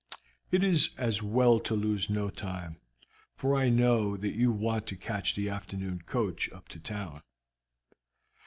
It is as well to lose no time, for I know that you want to catch the afternoon coach up to town."